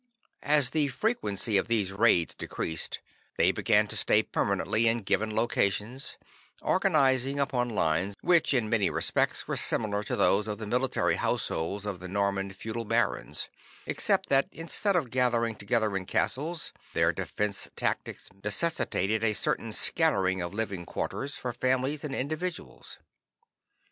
As the frequency of these raids decreased, they began to stay permanently in given localities, organizing upon lines which in many respects were similar to those of the military households of the Norman feudal barons, except that instead of gathering together in castles, their defense tactics necessitated a certain scattering of living quarters for families and individuals.